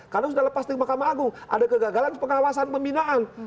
karena sudah lepas dari mahkamah agung ada kegagalan pengawasan pembinaan